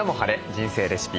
人生レシピ」